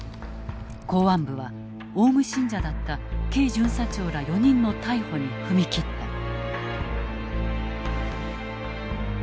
公安部はオウム信者だったＫ巡査長ら４人の逮捕に踏み切った。